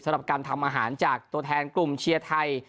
สำหรับการทำอาหารจากตัวแทนกลุ่มเชียร์ไทย